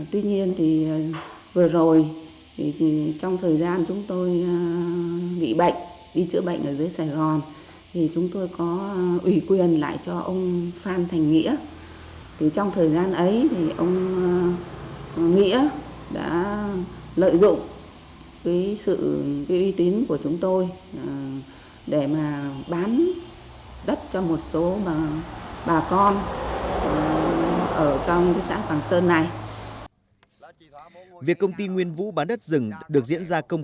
tuy nhiên thì vừa rồi trong thời gian chúng tôi bị bệnh đi chữa bệnh ở dưới sài gòn